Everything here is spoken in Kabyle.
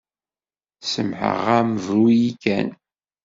Semmḥeɣ-am bru-yi kan.